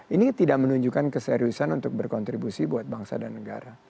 ini tidak menunjukkan keseriusan untuk berkontribusi buat bangsa dan negara